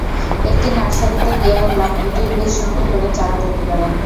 একটি নার্সারিতে গিয়ে বললাম এটির বীজ সংগ্রহ করে চারা তৈরি করেন।